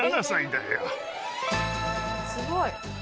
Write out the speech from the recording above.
すごい。